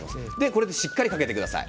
しっかりかけてください。